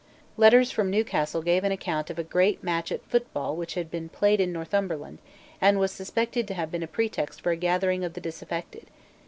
Letters from Newcastle gave an account of a great match at football which had been played in Northumberland, and was suspected to have been a pretext for a gathering of the disaffected.